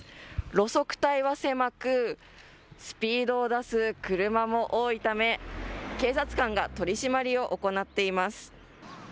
路側帯は狭くスピードを出す車も多いため警察官が取締りを行っています。